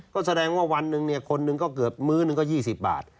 ก็แสดงว่าวันหนึ่งเนี่ยคนหนึ่งก็เกือบมื้อหนึ่งก็๒๐บาท